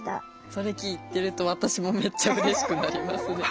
それ聞いてると私もめっちゃうれしくなりますね。